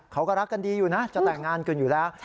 เขาก็รักกันดีอยู่นะจะแต่งงานกันอยู่แล้ว